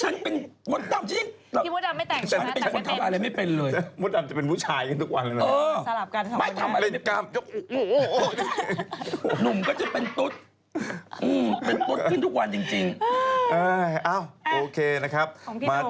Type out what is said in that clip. น้องเตรียนติ้งแบบเนียนมาก